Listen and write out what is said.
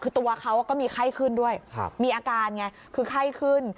คือตัวเขาก็มีไข้ขึ้นด้วยมีอาการไงคือไข้ขึ้น